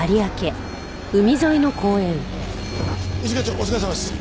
一課長お疲れさまです。